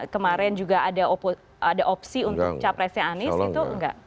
kemarin juga ada opsi untuk capresnya anies itu enggak